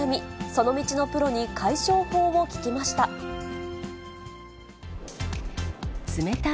その道のプロに解消法を聞きました。